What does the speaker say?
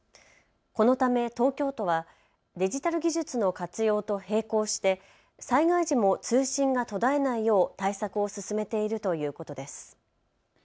このため東京都はデジタル技術の活用と並行して災害時も通信が途絶えないよう対策を進めているということです。